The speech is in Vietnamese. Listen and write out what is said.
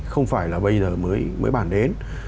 không phải là bây giờ mới bàn đến